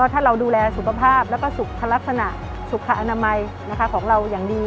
ถ้าเราดูแลสุขภาพแล้วก็สุขลักษณะสุขอนามัยของเราอย่างดี